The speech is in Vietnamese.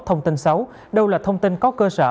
thông tin xấu đâu là thông tin có cơ sở